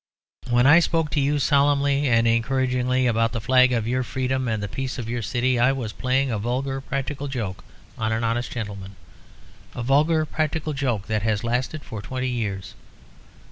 When I spoke to you solemnly and encouragingly about the flag of your freedom and the peace of your city, I was playing a vulgar practical joke on an honest gentleman, a vulgar practical joke that has lasted for twenty years.